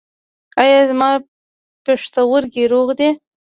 ایا زما پښتورګي روغ دي؟